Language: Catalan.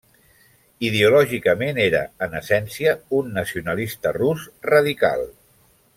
Ideològicament era, en essència, un nacionalista rus radical.